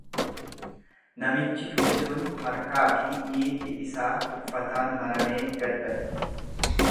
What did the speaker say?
Namichi du'e sun harkaa fi miilli isaa uffataan maramee gad ba'e.